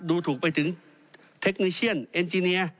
ดูถูกไปถึงเทคโนเชียนเอ็นจิเนีย